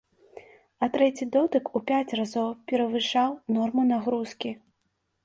А трэці дотык у пяць разоў перавышаў норму нагрузкі.